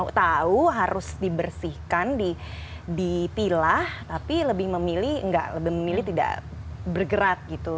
jadi itu jauh harus dibersihkan dipilah tapi lebih memilih tidak bergerak gitu